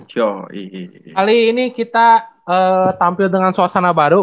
kali ini kita tampil dengan suasana baru